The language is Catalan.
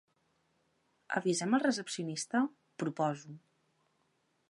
Avisem el recepcionista? —proposo.